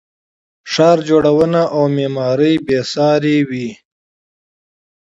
ښار جوړونه او معمارۍ بې ساري وه